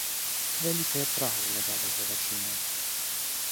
Вялікая прага ўладала яго вачыма.